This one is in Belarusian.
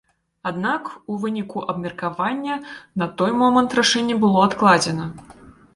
Аднак у выніку абмеркавання на той момант рашэнне было адкладзена.